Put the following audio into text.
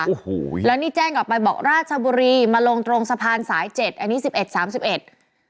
โอ้โหแล้วนี่แจ้งกลับไปบอกราชบุรีมาลงตรงสะพานสายเจ็ดอันนี้สิบเอ็ดสามสิบเอ็ด